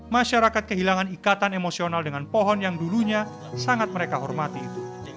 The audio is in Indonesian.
masyarakat kehilangan ikatan emosional dengan pohon yang dulunya sangat mereka hormati itu